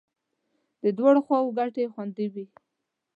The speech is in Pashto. د دواړو خواو ګټې خوندي وې.